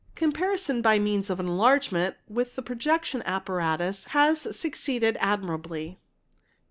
'Comparison by means of enlargement with the projection apparatus has 'succeeded admirably.